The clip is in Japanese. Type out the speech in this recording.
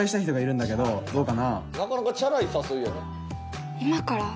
「なかなかチャラい誘いやな」